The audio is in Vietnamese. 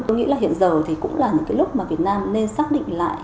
tôi nghĩ là hiện giờ thì cũng là những cái lúc mà việt nam nên xác định lại